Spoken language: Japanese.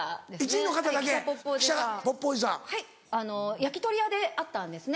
焼き鳥屋で会ったんですね